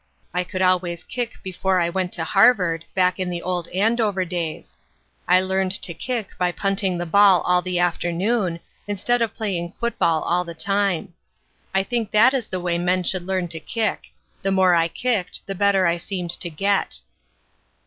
I could always kick before I went to Harvard, back in the old Andover days. I learned to kick by punting the ball all the afternoon, instead of playing football all the time. I think that is the way men should learn to kick. The more I kicked, the better I seemed to get."